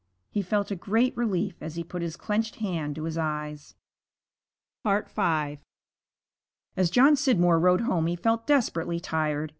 He felt a great relief as he put his clenched hand to his eyes. V As John Scidmore rode home he felt desperately tired.